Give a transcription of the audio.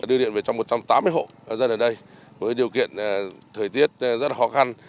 đưa điện về trong một trăm tám mươi hộ dân ở đây với điều kiện thời tiết rất là khó khăn